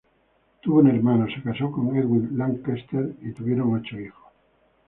Tuvo un hermano, Se casó con Edwin Lankester, y tuvieron ocho niños.